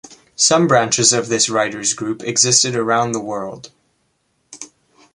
Some branches of this writers' group existed around the world.